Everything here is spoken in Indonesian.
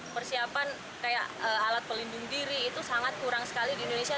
persiapan kayak alat pelindung diri itu sangat kurang sekali di indonesia